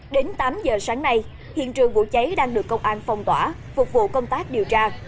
đến tám giờ sáng nay hiện trường vụ cháy đang được công an phong tỏa phục vụ công tác điều tra